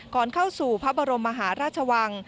ก่อนเข้าสู่พระบรมมหาราชวัง